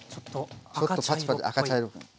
ちょっとパチパチ赤茶色。